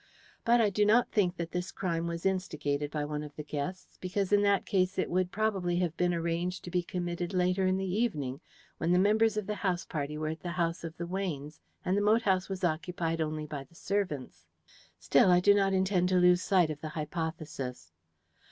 But I do not think that this crime was instigated by one of the guests, because in that case it would probably have been arranged to be committed later in the evening, when the members of the house party were at the house of the Weynes, and the moat house was occupied only by the servants. Still, I do not intend to lose sight of the hypothesis.